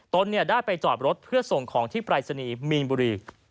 ตนได้ไปจอดรถเพื่อส่งของที่ปรายศนีย์มีนบุรี